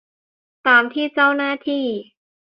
ตามที่เจ้าหน้าที่